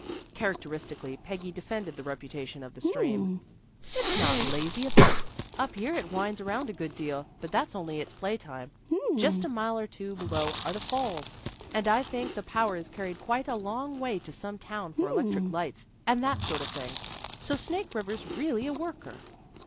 Characteristically Peggy defended the reputation of the stream. "It's not lazy a bit. Up here it winds around a good deal, but that's only its playtime. Just a mile or two below are the falls, and I think the power is carried quite a long way to some town for electric lights and that sort of thing. So Snake River's really a worker."